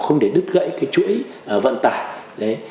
không để đứt gãy cái chuỗi vận tải